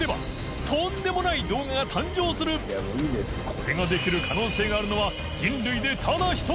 これを磴海譴できる可能性があるのは人類でただ１人！